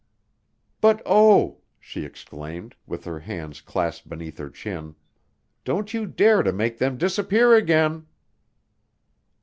"But, oh!" she exclaimed, with her hands clasped beneath her chin, "don't you dare to make them disappear again!"